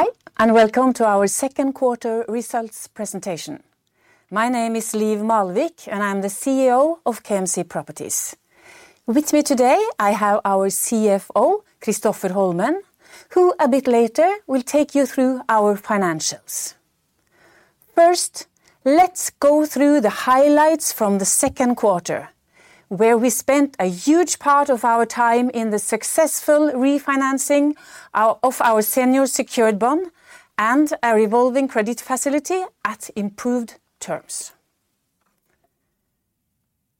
Hi, and welcome to our Q2 results presentation. My name is Liv Malvik, and I'm the CEO of KMC Properties. With me today, I have our CFO, Kristoffer Holmen, who a bit later will take you through our financials. First, let's go through the highlights from the Q2, where we spent a huge part of our time in the successful refinancing of our senior secured bond and a revolving credit facility at improved terms.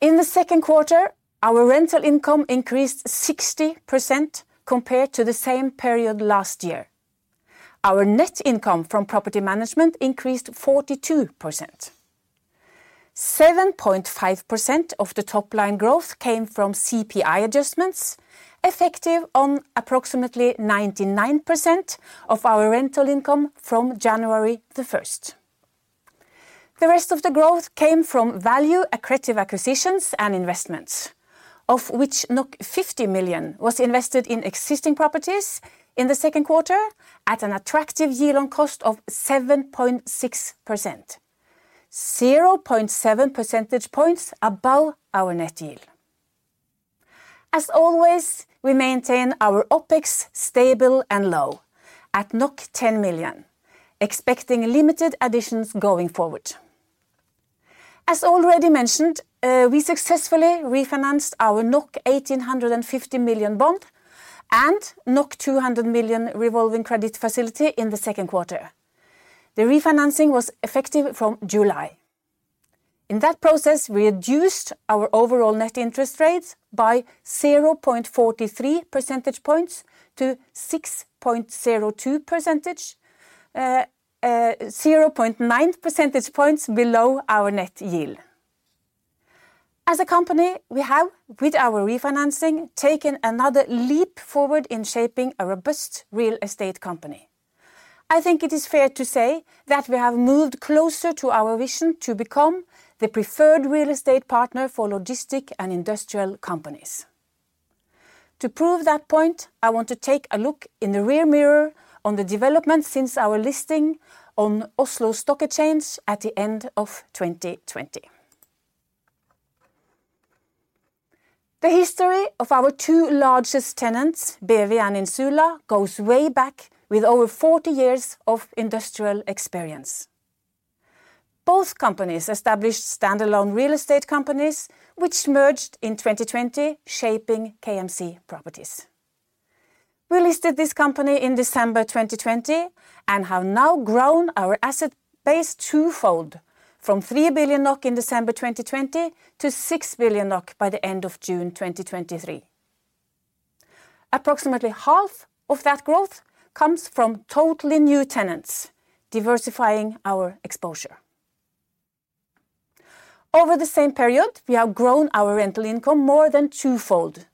In the Q2, our rental income increased 60% compared to the same period last year. Our net income from property management increased 42%. 7.5% of the top line growth came from CPI adjustments, effective on approximately 99% of our rental income from January 1st. The rest of the growth came from value-accretive acquisitions and investments, of which 50 million was invested in existing properties in the Q2 at an attractive yield on cost of 7.6%, 0.7 percentage points above our net yield. As always, we maintain our OpEx stable and low at 10 million, expecting limited additions going forward. As already mentioned, we successfully refinanced our 1,850 million bond and 200 million revolving credit facility in the Q2. The refinancing was effective from July. In that process, we reduced our overall net interest rates by 0.43 percentage points to 6.02%, 0.9 percentage points below our net yield. As a company, we have, with our refinancing, taken another leap forward in shaping a robust real estate company. I think it is fair to say that we have moved closer to our vision to become the preferred real estate partner for logistic and industrial companies. To prove that point, I want to take a look in the rear mirror on the development since our listing on Oslo Stock Exchange at the end of 2020. The history of our 2 largest tenants, BEWI and Insula, goes way back with over 40 years of industrial experience. Both companies established stand-alone real estate companies, which merged in 2020, shaping KMC Properties. We listed this company in December 2020 and have now grown our asset base twofold, from 3 billion NOK in December 2020 to 6 billion NOK by the end of June 2023. Approximately half of that growth comes from totally new tenants, diversifying our exposure. Over the same period, we have grown our rental income more than twofold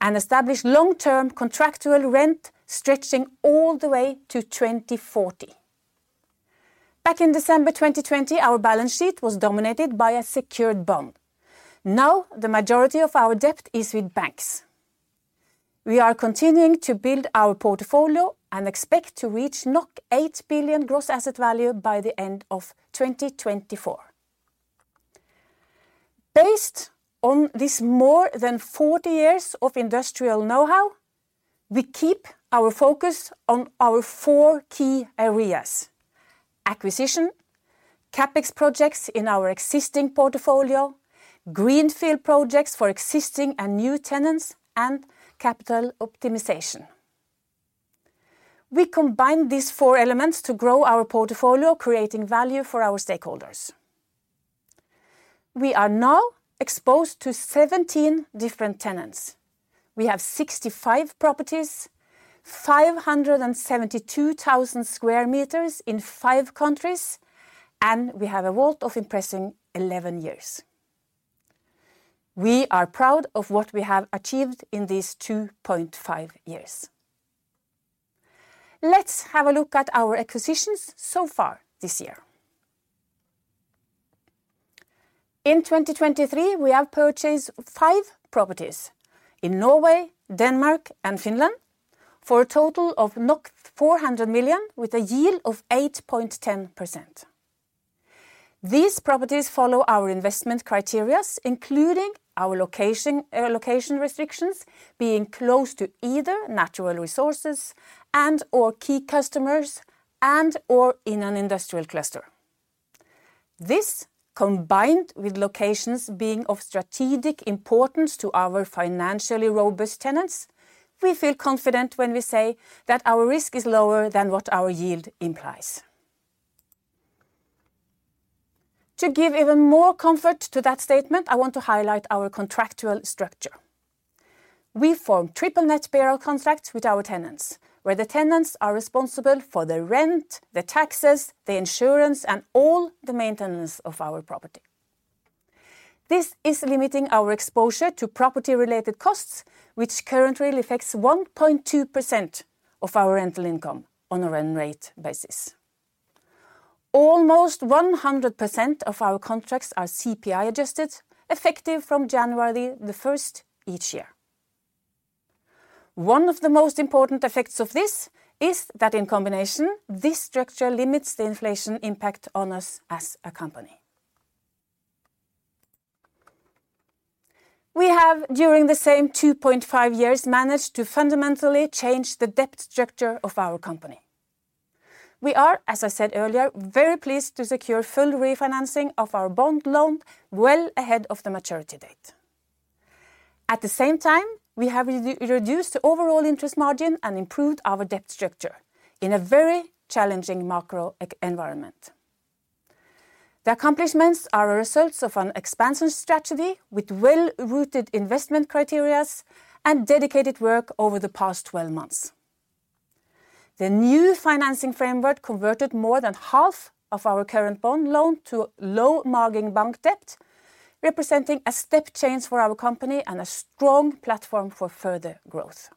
and established long-term contractual rent, stretching all the way to 2040. Back in December 2020, our balance sheet was dominated by a secured bond. Now, the majority of our debt is with banks. We are continuing to build our portfolio and expect to reach 8 billion gross asset value by the end of 2024. Based on this more than 40 years of industrial know-how, we keep our focus on our 4 key areas: acquisition, CapEx projects in our existing portfolio, greenfield projects for existing and new tenants, and capital optimization. We combine these 4 elements to grow our portfolio, creating value for our stakeholders. We are now exposed to 17 different tenants. We have 65 properties, 572,000 square meters in 5 countries. We have a vault of impressing 11 years. We are proud of what we have achieved in these 2.5 years. Let's have a look at our acquisitions so far this year. In 2023, we have purchased 5 properties in Norway, Denmark, and Finland for a total of 400 million, with a yield of 8.10%. These properties follow our investment criteria, including our location, location restrictions, being close to either natural resources and/or key customers and/or in an industrial cluster. This, combined with locations being of strategic importance to our financially robust tenants, we feel confident when we say that our risk is lower than what our yield implies. To give even more comfort to that statement, I want to highlight our contractual structure. We form triple-net bare rent contracts with our tenants, where the tenants are responsible for the rent, the taxes, the insurance, and all the maintenance of our property. This is limiting our exposure to property-related costs, which currently affects 1.2% of our rental income on a run rate basis. Almost 100% of our contracts are CPI adjusted, effective from January 1st each year. One of the most important effects of this is that in combination, this structure limits the inflation impact on us as a company. We have, during the same 2.5 years, managed to fundamentally change the debt structure of our company. We are, as I said earlier, very pleased to secure full refinancing of our bond loan well ahead of the maturity date. At the same time, we have reduced the overall interest margin and improved our debt structure in a very challenging macro environment. The accomplishments are a result of an expansion strategy with well-rooted investment criterias and dedicated work over the past 12 months. The new financing framework converted more than half of our current bond loan to low-margin bank debt, representing a step change for our company and a strong platform for further growth.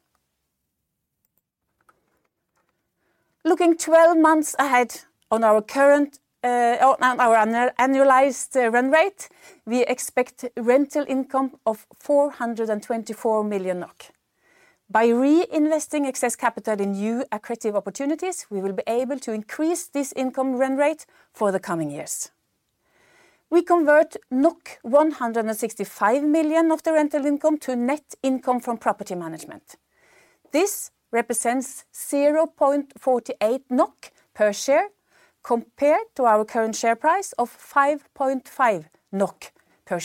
Looking 12 months ahead on our current, on our annualized run rate, we expect rental income of 424 million NOK. By reinvesting excess capital in new accretive opportunities, we will be able to increase this income run rate for the coming years. We convert 165 million of the rental income to net income from property management. This represents 0.48 NOK per share, compared to our current share price of 5.5 NOK per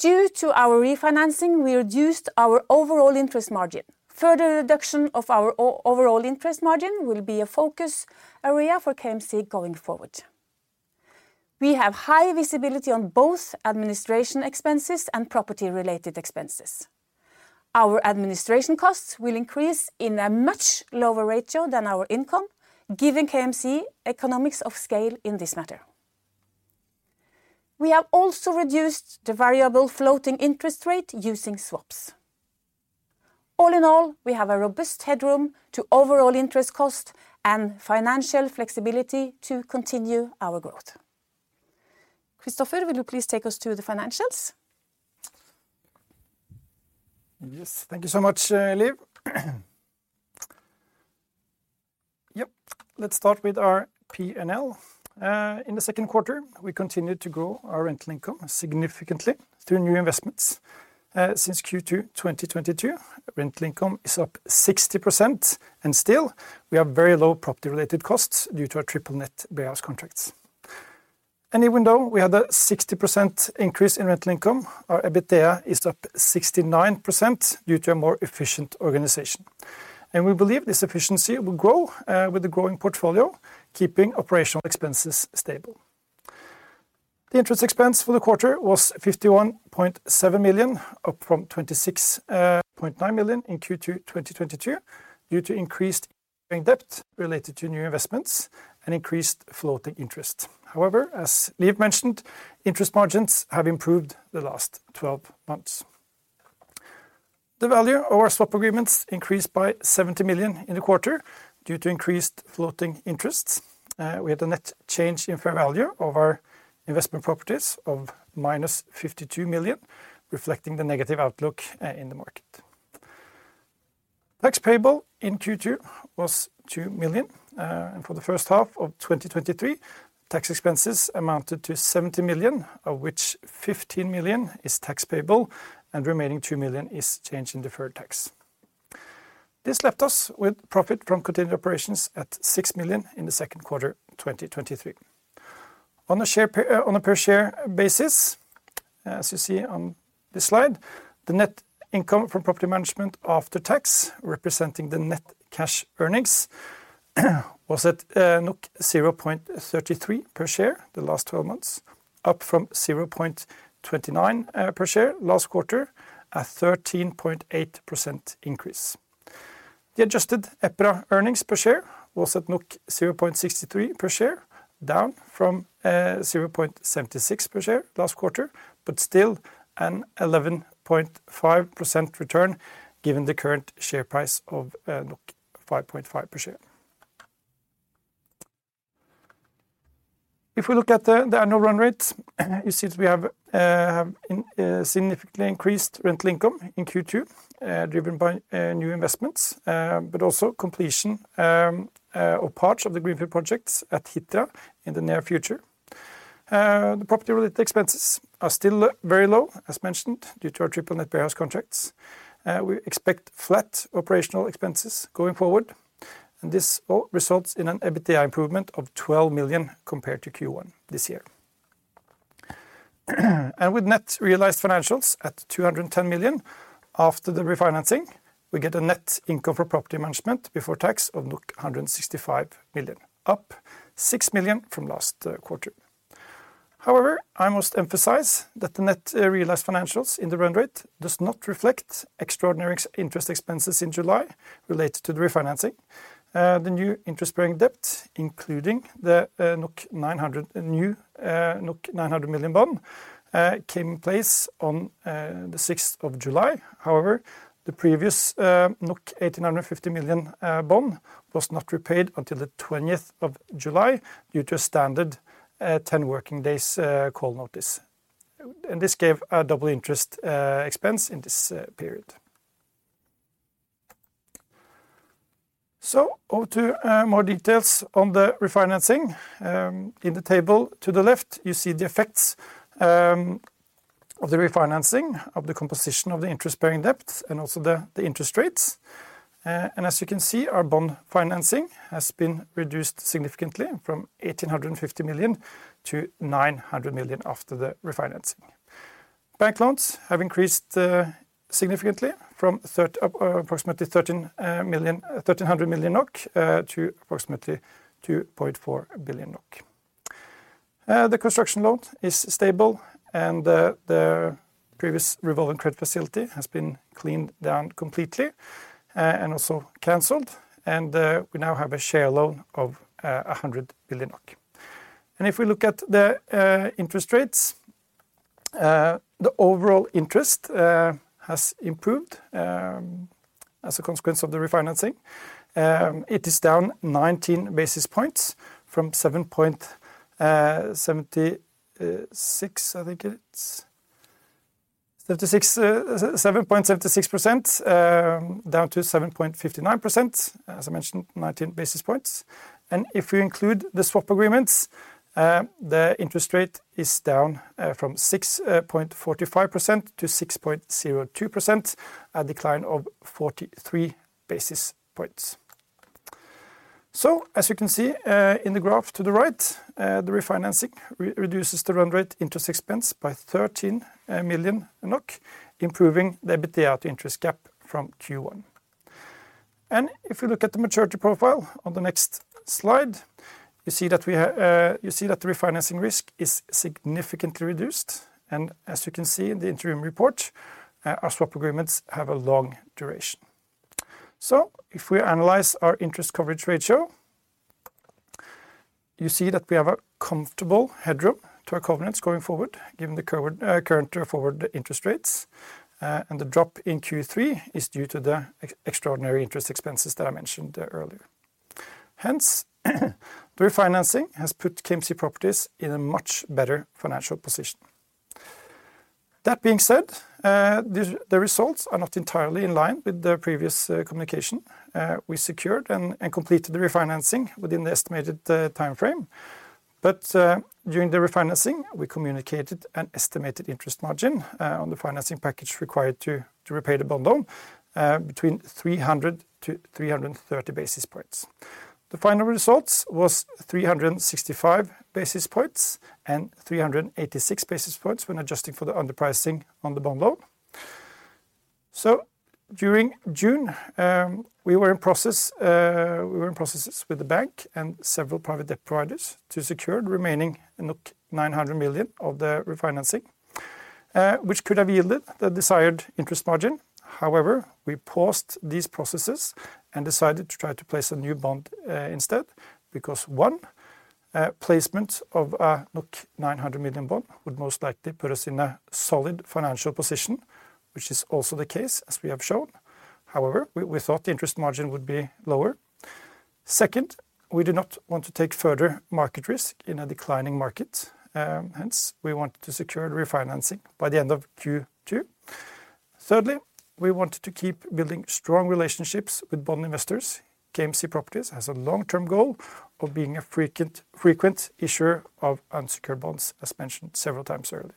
share. Due to our refinancing, we reduced our overall interest margin. Further reduction of our overall interest margin will be a focus area for KMC going forward. We have high visibility on both administration expenses and property-related expenses. Our administration costs will increase in a much lower ratio than our income, giving KMC economics of scale in this matter. We have also reduced the variable floating interest rate using swaps. All in all, we have a robust headroom to overall interest cost and financial flexibility to continue our growth. Kristoffer, will you please take us through the financials? Yes. Thank you so much, Liv. Yep, let's start with our P&L. In the Q2, we continued to grow our rental income significantly through new investments. Since Q22022, rental income is up 60%, still, we have very low property-related costs due to our triple net warehouse contracts. Even though we had a 60% increase in rental income, our EBITDA is up 69% due to a more efficient organization. We believe this efficiency will grow with the growing portfolio, keeping operational expenses stable. The interest expense for the quarter was 51.7 million, up from 26.9 million in Q22022, due to increased in-depth related to new investments and increased floating interest. However, as Liv mentioned, interest margins have improved the last 12 months. The value of our swap agreements increased by 70 million in the quarter due to increased floating interests. We had a net change in fair value of our investment properties of minus 52 million, reflecting the negative outlook, in the market. Tax payable in Q2 was 2 million. For the H1 of 2023, tax expenses amounted to 70 million, of which 15 million is tax payable and remaining 2 million is change in deferred tax. This left us with profit from continued operations at 6 million in the Q2 2023. On a per-- on a per share basis, as you see on this slide, the net income from property management after tax, representing the net cash earnings, was at 0.33 per share the last 12 months, up from 0.29 per share last quarter, a 13.8% increase. The adjusted EPRA earnings per share was at 0.63 per share, down from 0.76 per share last quarter, but still an 11.5% return, given the current share price of 5.5 per share. If we look at the annual run rates, you see that we have significantly increased rental income in Q2, driven by new investments, but also completion, or parts of the Greenfield projects at Hitra in the near future. The property-related expenses are still very low, as mentioned, due to our triple net warehouse contracts. We expect flat operational expenses going forward, this all results in an EBITDA improvement of 12 million compared to Q1 this year. With net realized financials at 210 million after the refinancing, we get a net income for property management before tax of 165 million, up 6 million from last quarter. However, I must emphasize that the net realized financials in the run rate does not reflect extraordinary ex- interest expenses in July related to the refinancing. The new interest-bearing debt, including the 900 new 900 million bond, came in place on the 6th of July. However, the previous 1,850 million bond was not repaid until the 20th of July, due to a standard 10 working days call notice. This gave a double interest expense in this period. Over to more details on the refinancing. In the table to the left, you see the effects of the refinancing, of the composition of the interest-bearing debt, and also the interest rates. As you can see, our bond financing has been reduced significantly from 1,850 million to 900 million after the refinancing. Bank loans have increased significantly from approximately 1,300 million NOK to approximately 2.4 billion NOK. The construction loan is stable, and the previous revolving credit facility has been cleaned down completely, and also canceled. We now have a share loan of 100 billion. If we look at the interest rates, the overall interest has improved as a consequence of the refinancing. It is down 19 basis points from 7.76, I think it is. 76, 7.76% down to 7.59%. As I mentioned, 19 basis points. If we include the swap agreements, the interest rate is down from 6.45% to 6.02%, a decline of 43 basis points. As you can see, in the graph to the right, the refinancing reduces the run rate interest expense by 13 million NOK, improving the EBITDA to interest gap from Q1. If you look at the maturity profile on the next slide, you see that we have. You see that the refinancing risk is significantly reduced. As you can see in the interim report, our swap agreements have a long duration. If we analyze our interest coverage ratio, you see that we have a comfortable headroom to our covenants going forward, given the current current forward interest rates. The drop in Q3 is due to the extraordinary interest expenses that I mentioned earlier. Hence, the refinancing has put KMC Properties in a much better financial position. That being said, the results are not entirely in line with the previous communication. We secured and completed the refinancing within the estimated time frame. During the refinancing, we communicated an estimated interest margin on the financing package required to repay the bond loan between 300 to 330 basis points. The final results was 365 basis points and 386 basis points when adjusting for the underpricing on the bond loan. During June, we were in process, we were in processes with the bank and several private debt providers to secure the remaining 900 million of the refinancing, which could have yielded the desired interest margin. However, we paused these processes and decided to try to place a new bond instead, because, one, a placement of a 900 million bond would most likely put us in a solid financial position, which is also the case, as we have shown. However, we thought the interest margin would be lower. Second, we did not want to take further market risk in a declining market. Hence, we wanted to secure the refinancing by the end of Q2. Thirdly, we wanted to keep building strong relationships with bond investors. KMC Properties has a long-term goal of being a frequent, frequent issuer of unsecured bonds, as mentioned several times earlier.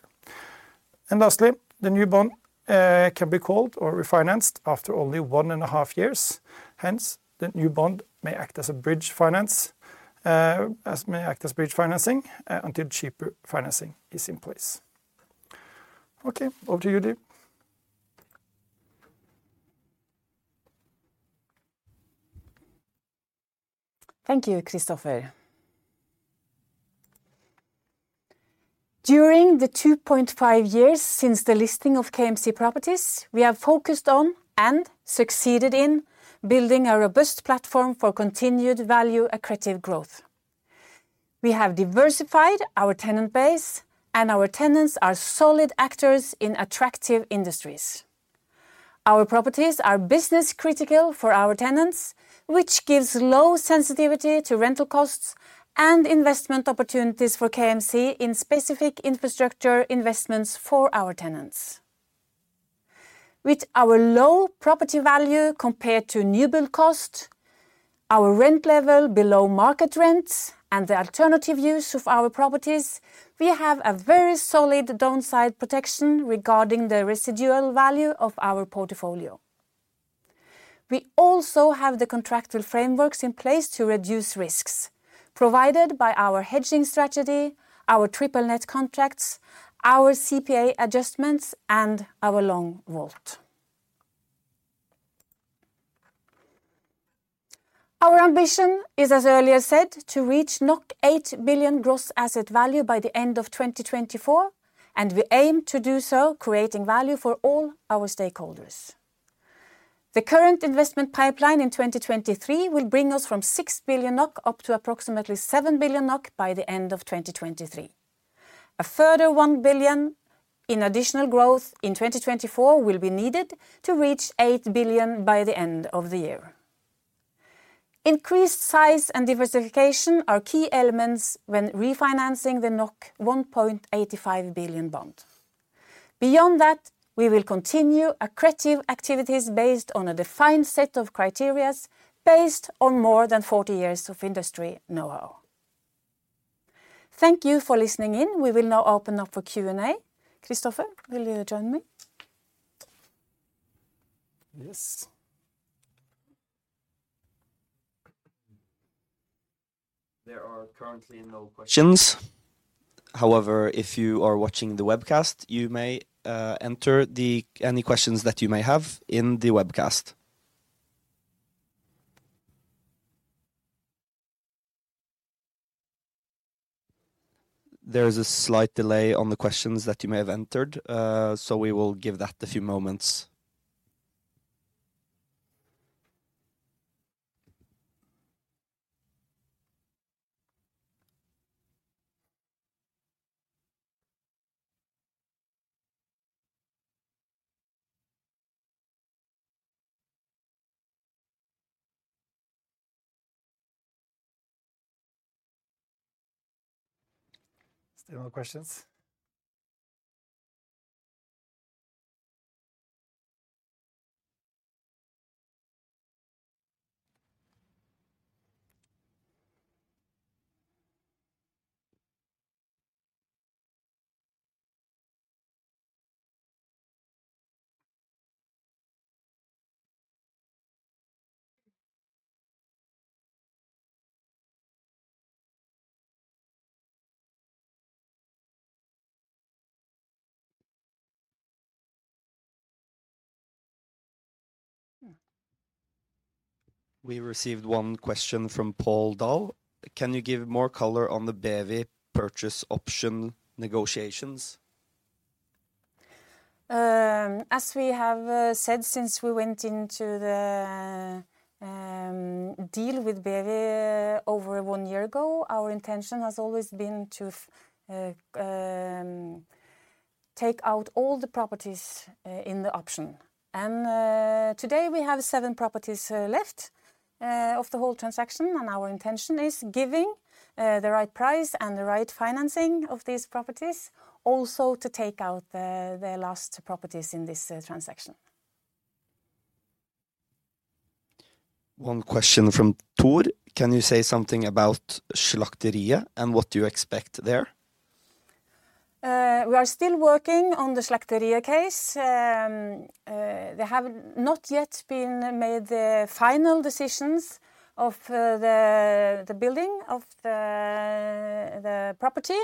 Lastly, the new bond can be called or refinanced after only 1.5 years. The new bond may act as a bridge finance, as may act as bridge financing, until cheaper financing is in place. Okay, over to you, Liv. Thank you, Kristoffer. During the 2.5 years since the listing of KMC Properties, we have focused on and succeeded in building a robust platform for continued value accretive growth. We have diversified our tenant base. Our tenants are solid actors in attractive industries. Our properties are business-critical for our tenants, which gives low sensitivity to rental costs and investment opportunities for KMC in specific infrastructure investments for our tenants. With our low property value compared to new build cost, our rent level below market rents, the alternative use of our properties, we have a very solid downside protection regarding the residual value of our portfolio. We also have the contractual frameworks in place to reduce risks provided by our hedging strategy, our triple net contracts, our CPI adjustments, and our long WALE. Our ambition is, as earlier said, to reach 8 billion gross asset value by the end of 2024. We aim to do so creating value for all our stakeholders. The current investment pipeline in 2023 will bring us from 6 billion NOK up to approximately 7 billion NOK by the end of 2023. A further 1 billion in additional growth in 2024 will be needed to reach 8 billion by the end of the year. Increased size and diversification are key elements when refinancing the 1.85 billion bond. Beyond that, we will continue accretive activities based on a defined set of criteria, based on more than 40 years of industry know-how. Thank you for listening in. We will now open up for Q&A. Kristoffer, will you join me? Yes. There are currently no questions. However, if you are watching the webcast, you may enter any questions that you may have in the webcast. There is a slight delay on the questions that you may have entered, so we will give that a few moments. Still no questions? We received one question from Pål Dahl: "Can you give more color on the BEWI purchase option negotiations? As we have said since we went into the deal with BEWI over one year ago, our intention has always been to take out all the properties in the option. Today we have 7 properties left of the whole transaction, and our intention is giving the right price and the right financing of these properties, also to take out the last properties in this transaction. One question from Tor: "Can you say something about Slakteriet, and what do you expect there? We are still working on the Slakteriet case. They have not yet been made the final decisions of the, the building of the, the property.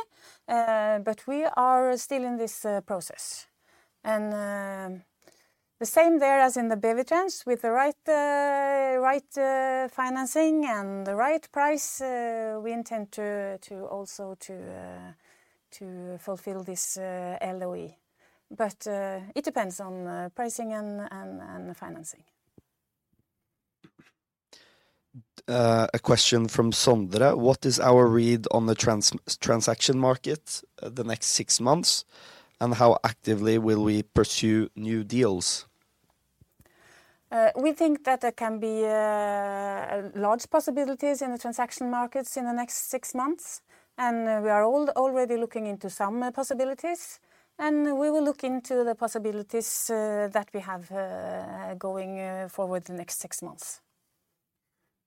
We are still in this process. The same there as in the Bevetrans, with the right, right, financing and the right price, we intend to, to also to, to fulfill this LOI. It depends on pricing and, and, and financing. A question from Sondre: "What is our read on the transaction market, the next 6 months, and how actively will we pursue new deals? We think that there can be large possibilities in the transaction markets in the next 6 months, and we are already looking into some possibilities. We will look into the possibilities that we have going forward the next 6 months.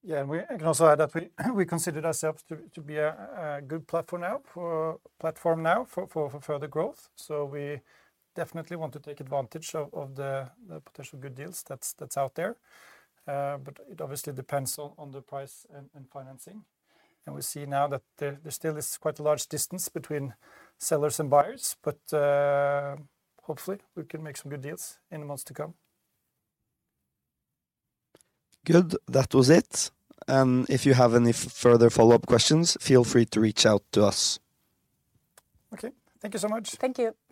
Yeah, I can also add that we considered ourselves to be a good platform now for further growth. We definitely want to take advantage of the potential good deals that's out there. It obviously depends on the price and financing. We see now that there still is quite a large distance between sellers and buyers, but hopefully we can make some good deals in the months to come. Good. That was it. If you have any further follow-up questions, feel free to reach out to us. Okay. Thank you so much. Thank you.